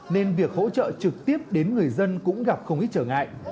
nên việc hỗ trợ trực tiếp đến người dân cũng gặp không ít trở ngại